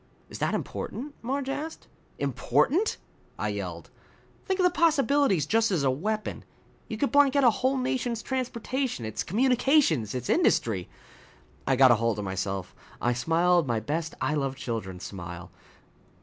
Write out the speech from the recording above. "Is that important?" Marge asked. "Important?" I yelled. "Think of the possibilities just as a weapon! You could blank out a whole nation's transportation, its communications, its industry " I got hold of myself. I smiled my best I love children smile.